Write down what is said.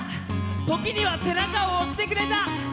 時には背中を押してくれた。